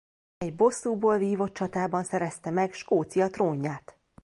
Egy bosszúból vívott csatában szerezte meg Skócia trónját.